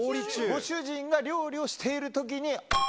ご主人が料理をしているときに。